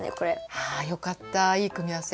ああよかったいいくみあわせ？